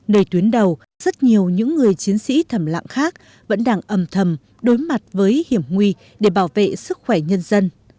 nơi tuyến đầu rất nhiều những người chiến sĩ thầm lạng khác vẫn đang ẩm thầm đối mặt với hiểm nguy để bảo vệ sức khỏe nhân dân